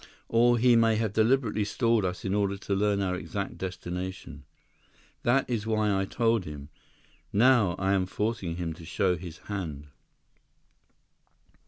Or he may have deliberately stalled us in order to learn our exact destination. That is why I told him. Now, I am forcing him to show his hand."